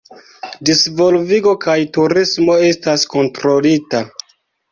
Disvolvigo kaj turismo estas kontrolita.